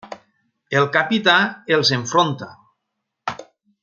El capità els enfronta.